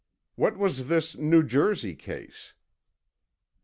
What was this New Jersey case?